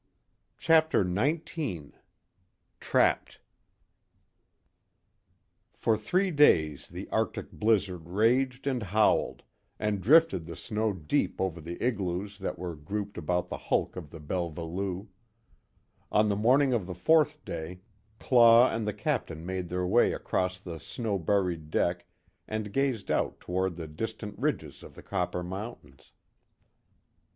CHAPTER XIX TRAPPED For three days the Arctic blizzard raged and howled, and drifted the snow deep over the igloos that were grouped about the hulk of the Belva Lou. On the morning of the fourth day Claw and the Captain made their way across the snow buried deck and gazed out toward the distant ridges of the Copper Mountains.